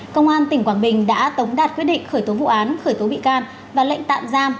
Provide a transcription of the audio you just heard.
công an tỉnh quảng bình đã tống đạt quyết định khởi tố vụ án khởi tố bị can và lệnh tạm giam